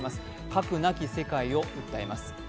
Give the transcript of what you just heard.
核なき世界を訴えます。